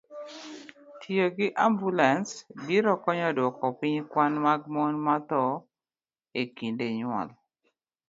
Tiyo gi ambulans biro konyo dwoko piny kwan mag mon mathoo e kinde nyuol.